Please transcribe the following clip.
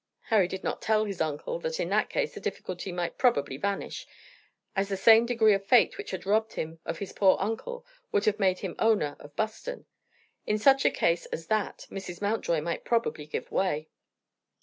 Harry did not tell his uncle that in that case the difficulty might probably vanish, as the same degree of fate which had robbed him of his poor uncle would have made him owner of Buston. In such a case as that Mrs. Mountjoy might probably give way.